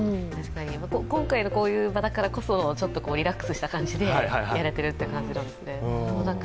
今回のこういう場だからこそ、ちょっとリラックスした感じでやれてるって感じですね。